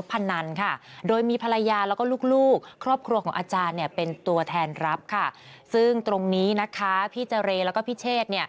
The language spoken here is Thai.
พี่เจาเรียแล้วก็พี่เชษ